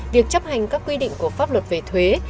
việc chấp hành các quy định của pháp luật về thuế